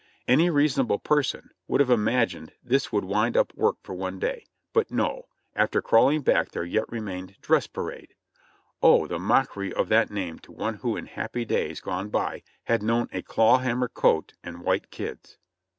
Any reasonable person would have imagined this would wind up work for one day, but no ! after crawling back there yet remained "Dress parade." (Oh ! the mockery of that name to one who in happy days gone by "had known a claw hammer coat and white kids.")